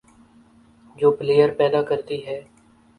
جو پلئیر پیدا کرتی ہے،